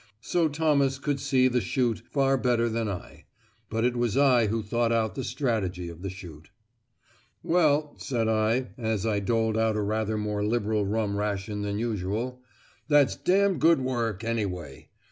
So 75 Thomas could see and shoot far better than I; but it was I who thought out the strategy of the shoot. "Well," said I, as I doled out a rather more liberal rum ration than usual, "that's d good work, anyway.